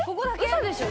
嘘でしょ？